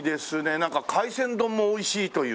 なんか海鮮丼もおいしいという。